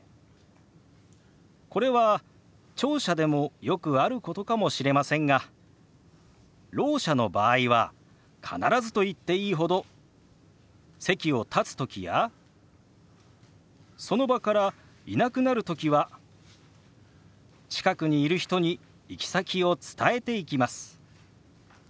これは聴者でもよくあることかもしれませんがろう者の場合は必ずと言っていいほど席を立つときやその場からいなくなるときは近くにいる人に行き先を伝えていきます。